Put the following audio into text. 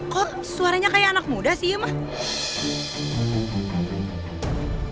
kok suaranya kayak anak muda sih emang